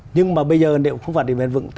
nhưng mà bây giờ nếu không phát triển bền vững